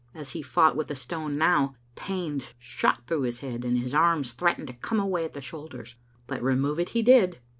As he fought with the stone now, pains shot through his head, and his arms threatened to come away at the shoulders; but remove it he did.